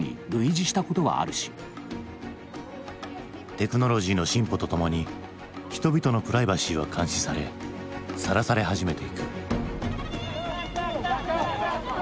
テクノロジーの進歩とともに人々のプライバシーは監視されさらされ始めていく。